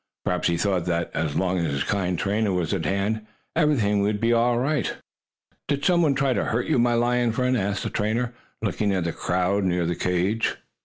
Perhaps he thought that, as long as his kind trainer was at hand, everything would be all right. "Did some one try to hurt my lion friend?" asked the trainer, looking at the crowd near the cage.